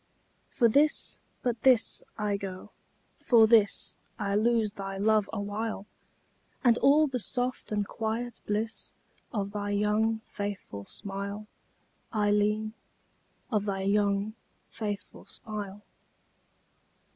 For this, but this, I go for this I lose thy love awhile; And all the soft and quiet bliss Of thy young, faithful smile, Ailleen, Of thy young, faithful smile.